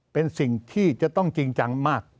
เป็นสิ่งที่จะต้องจริงจังมาก